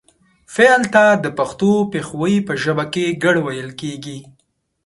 فعل ته د پښتو پښويې په ژبه کې کړ ويل کيږي